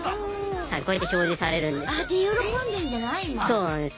そうなんです。